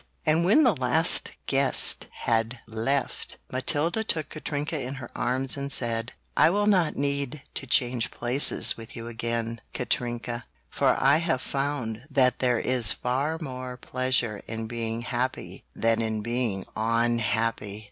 And when the last guest had left, Matilda took Katrinka in her arms and said, "I will not need to change places with you again, Katrinka, for I have found that there is far more pleasure in being happy than in being unhappy!"